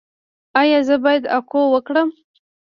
ایا زه باید اکو وکړم؟